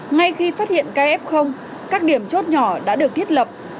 ngay khi phát hiện kf các điểm chốt nhỏ đã được thiết lập